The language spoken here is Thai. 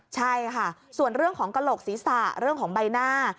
ใช่ค่ะส่วนเรื่องของกระโหลกศีรษะเรื่องของใบหน้า